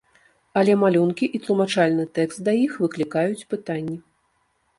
Але малюнкі і тлумачальны тэкст да іх выклікаюць пытанні.